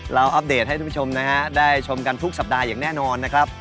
อัปเดตให้ทุกผู้ชมนะฮะได้ชมกันทุกสัปดาห์อย่างแน่นอนนะครับ